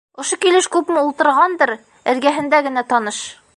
Ошо килеш күпме ултырғандыр, эргәһендә генә таныш.